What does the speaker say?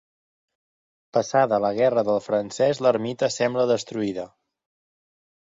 Passada la guerra del Francès l'ermita sembla destruïda.